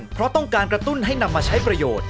เพราะต้องการกระตุ้นให้นำมาใช้ประโยชน์